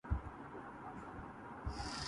جوں چراغانِ دوالی صف بہ صف جلتا ہوں میں